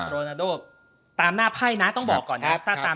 โรนาโดตามหน้าไพ่นะต้องบอกก่อนนะ